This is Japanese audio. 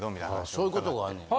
そういうことがあん